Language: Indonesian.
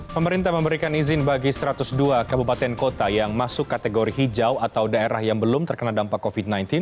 pemerintah memberikan izin bagi satu ratus dua kabupaten kota yang masuk kategori hijau atau daerah yang belum terkena dampak covid sembilan belas